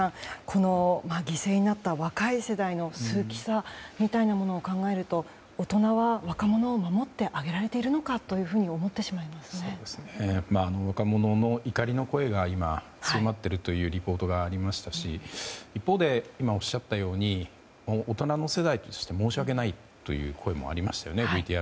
この犠牲になった若い世代の数奇さみたいなものを考えると大人は若者を守ってあげられているのかというふうに若者の怒りの声が今、強まっているというリポートがありましたし一方で、今おっしゃったように大人の世代として申し訳ないという声もＶＴＲでありましたよね。